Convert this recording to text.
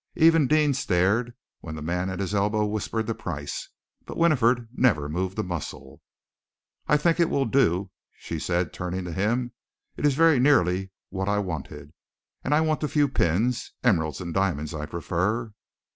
Even Deane stared when the man at his elbow whispered the price, but Winifred never moved a muscle. "I think it will do," she said, turning to him. "It is very nearly what I wanted. And I want a few pins emeralds and diamonds I prefer."